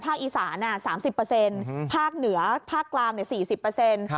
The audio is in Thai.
ภาคอีสาน๓๐ภาคเหนือภาคกลาง๔๐